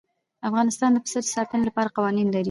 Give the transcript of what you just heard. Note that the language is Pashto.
افغانستان د پسه د ساتنې لپاره قوانین لري.